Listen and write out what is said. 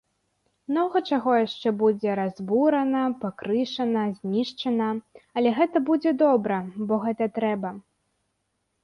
Многа чаго яшчэ будзе разбурана, пакрышана, знішчана, але гэта будзе добра, бо гэта трэба.